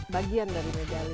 bagian dari redali